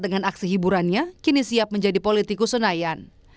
menerima hasil pemilu dengan logowo dan tidak berhasil lolos ke senayan